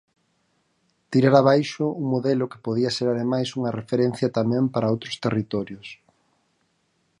Tirar abaixo un modelo que podía ser ademais unha referencia tamén para outros territorios.